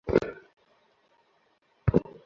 তারা নিজেদের সমস্যা নিজেরাই সমাধানের চেষ্টা করে।